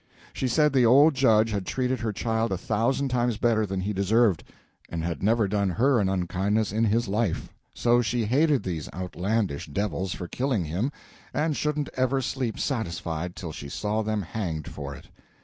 She said the old Judge had treated her child a thousand times better than he deserved, and had never done her an unkindness in his life; so she hated these outlandish devils for killing him, and shouldn't ever sleep satisfied till she saw them hanged for it.